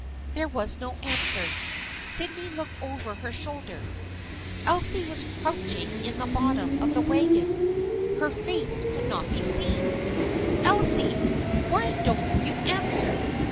There was no answer. Sydney looked over her shoulder. Elsie was crouching in the bottom of the wagon. Her face could not be seen. "Elsie! why don't you answer?